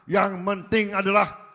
yang penting adalah